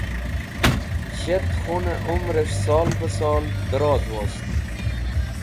Shẽt khunẽ umres̃h sol bẽ sol dẽroz wost.